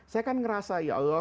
saya kan ngerasa ya allah